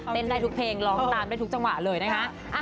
ได้ทุกเพลงร้องตามได้ทุกจังหวะเลยนะคะ